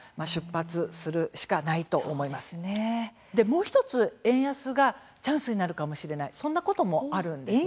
もう１つ、円安がチャンスになるかもしれないそんなこともあるんです。